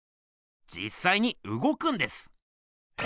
じっさいにうごくんです。え？